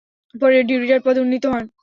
পরে রিডার পদে উন্নীত হন।